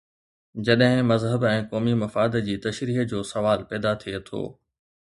جڏهن مذهب ۽ قومي مفاد جي تشريح جو سوال پيدا ٿئي ٿو.